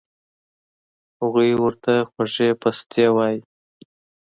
هغو ورته خوږې پستې اووائي